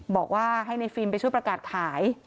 บอกว่าให้ในฟิล์มไปช่วยประกาศขาย